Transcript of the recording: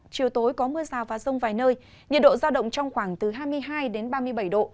chiều tối có mưa rào và rông vài nơi nhiệt độ giao động trong khoảng từ hai mươi hai đến ba mươi bảy độ